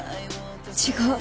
違う。